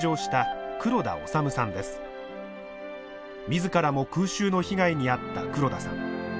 自らも空襲の被害に遭った黒田さん。